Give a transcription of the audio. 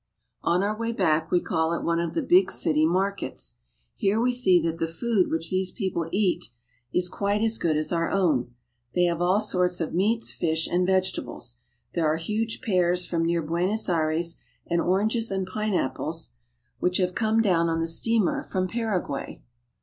On our way back we call at one of the big city mar kets. Here we see that the food which these people eat is quite as good as our own. They have all sorts of meats, fish, and vegetables. There are huge pears from near Buenos Aires, and oranges and pineapples which 198 ARGENTINA. have come down on the steamer from Paraguay.